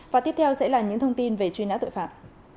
và tiếp theo sẽ là những thông tin về truy nã tội phạm